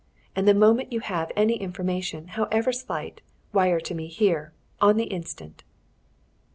And the moment you have any information, however slight, wire to me, here on the instant."